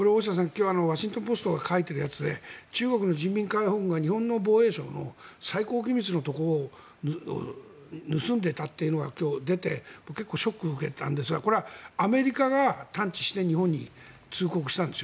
今日、ワシントン・ポストが書いているやつで中国の人民解放軍が日本の防衛省の最高機密のところを盗んでいたというのが今日出て結構、ショックを受けていたんですがこれはアメリカが探知して日本に通告したんです。